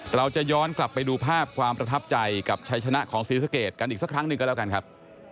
เราจะย้อนกลับไปดูภาพความประทับใจกับชัยชนะของศรีสะเกดกันอีกสักครั้งหนึ่งก็แล้วกันครับ